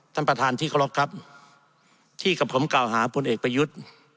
ท่านประธานที่เคารพครับที่กับผมกล่าวหาพลเอกประยุทธ์